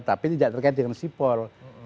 tapi tidak terkait dengan sipol